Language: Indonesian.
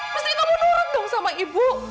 mesti kamu nurut dong sama ibu